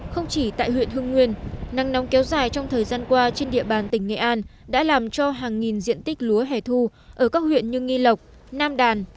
không chỉ tại huyện hưng nguyên nắng nóng kéo dài trong thời gian qua trên địa bàn tỉnh nghệ an đã làm cho hàng nghìn diện tích lúa hẻ thu ở các huyện như nghi lộc nam đàn